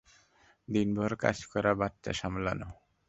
দিনভর কাজ করা, বাচ্চা সামলানো।